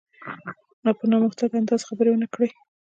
په نامحتاط انداز خبرې ونه کړي.